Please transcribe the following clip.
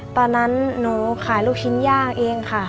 ตอนนั้นหนูขายลูกชิ้นย่างเองค่ะ